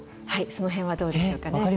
はいその辺はどうでしょうかね。